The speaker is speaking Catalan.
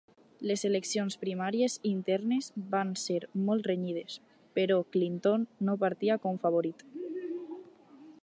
Les eleccions primàries internes van ser molt renyides però Clinton no partia com favorit.